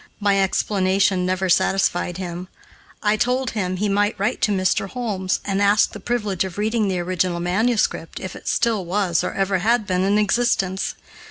My explanation never satisfied him. I told him he might write to Mr. Holmes, and ask the privilege of reading the original manuscript, if it still was or ever had been in existence.